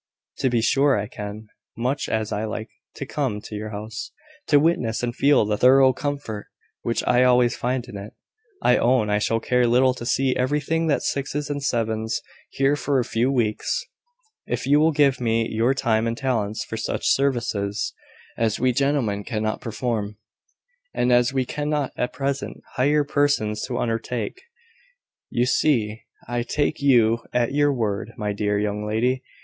"To be sure I can. Much as I like to come to your house, to witness and feel the thorough comfort which I always find in it, I own I shall care little to see everything at sixes and sevens here for a few weeks, if you will give me your time and talents for such services as we gentlemen cannot perform, and as we cannot at present hire persons to undertake. You see I take you at your word, my dear young lady.